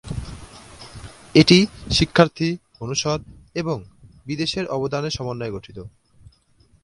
এটি শিক্ষার্থী, অনুষদ এবং বিদেশের অবদানের সমন্বয়ে গঠিত।